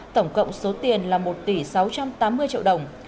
tổng cộng số tiền là một tỷ sáu trăm tám mươi triệu đồng